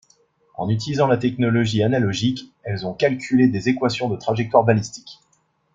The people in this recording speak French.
En utilisant la technologie analogique, elles ont calculé des équations de trajectoire balistique.